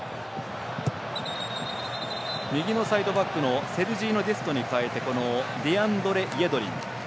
右のサイドバックのセルジーニョ・デストに代えてこのディアンドレ・イェドリン。